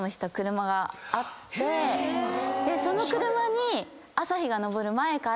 その車に。